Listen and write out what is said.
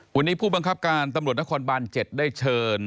วันนี้ผู้บังคับการตำรวจนครบาน๗ได้เชิญ